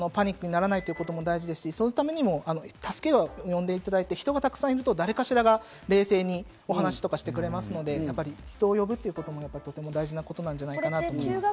パニックにならないことも大事ですし、そのためにも助けを呼んでいただいて、人がたくさんいると誰かしらが冷静にお話とかしてくれますので、人を呼ぶことも大事なことなんじゃないかと思います。